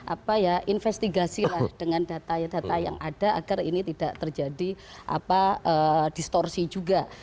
apa ya investigasi lah dengan data data yang ada agar ini tidak terjadi distorsi juga